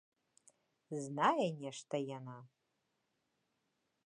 Знае нешта й яна.